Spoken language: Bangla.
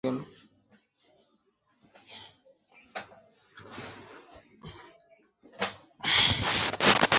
আর যারা পালিয়ে যেতে সক্ষম হল তারা পালিয়ে গেল।